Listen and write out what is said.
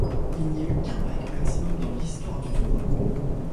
Il n'y a eu qu'un break maximum dans l'histoire du tournoi.